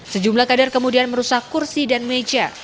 sejumlah kader kemudian merusak kursi dan meja